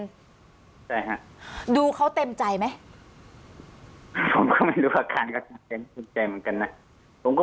ใช่ค่ะดูเขาเต็มใจไหมผมก็ไม่รู้อาการก็เต็มใจเหมือนกันนะผมก็